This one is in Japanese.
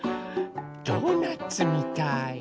ドーナツみたい。